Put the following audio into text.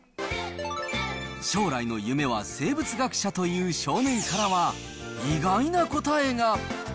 将来の夢は生物学者という少年からは、意外な答えが。